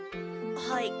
はい。